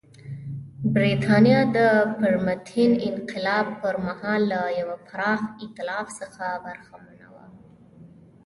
برېټانیا د پرتمین انقلاب پر مهال له یوه پراخ اېتلاف څخه برخمنه وه.